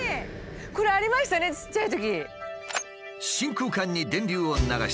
これありましたねちっちゃいとき。